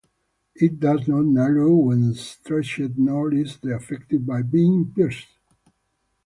It does not narrow when stretched nor is it affected by being pierced.